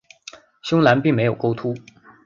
胸篮并没有钩突。